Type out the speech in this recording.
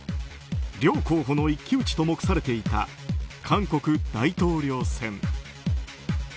両候補の一騎打ちと目されていた韓国大統領選。